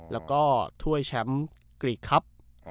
แล้วก็ถ้วยแชมป์กรีกคลับ๒๐๑๙๒๐๒๐